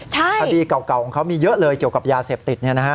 คดีเก่าของเขามีเยอะเลยเกี่ยวกับยาเสพติด